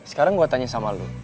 sekarang gue tanya sama lo